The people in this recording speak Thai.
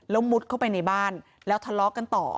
แล้วมุดเข้าไปในบ้านแล้วทะเลาะกันต่อ